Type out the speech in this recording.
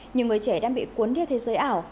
nhiều người trẻ đang bị cuốn theo thế giới ảo